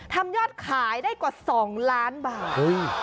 ยอดขายได้กว่า๒ล้านบาท